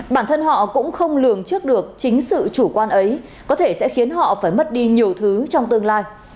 bản thân họ cũng không lường trước được chính sự chủ quan ấy có thể sẽ khiến họ phải mất đi nhiều thứ trong tương lai